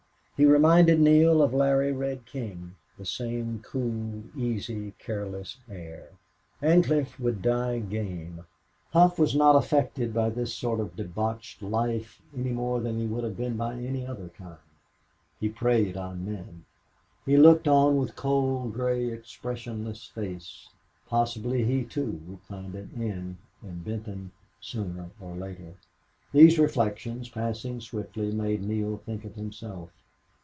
He reminded Neale of Larry Red King the same cool, easy, careless air. Ancliffe would die game. Hough was not affected by this sort of debauched life any more than he would have been by any other kind. He preyed on men. He looked on with cold, gray, expressionless face. Possibly he, too, would find an end in Benton sooner or later. These reflections, passing swiftly, made Neale think of himself.